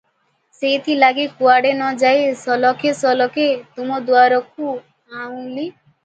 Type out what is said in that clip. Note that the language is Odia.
ସେଇଥିଲାଗି କୁଆଡ଼େ ନ ଯାଇ ସଳଖେ ସଳଖେ ତୁମ ଦୁଆରକୁ ଅଇଲୁଁ ପରା!